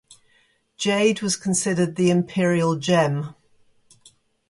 Jade was considered the "imperial gem".